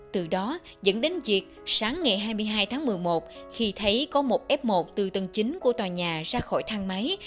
từ đó dẫn đến việc sáng ngày hai mươi hai tháng một mươi một khi thấy có một f một từ tầng chín của tòa nhà ra khỏi thang máy